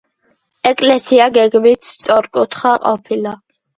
ეკლესია გეგმით სწორკუთხა ყოფილა.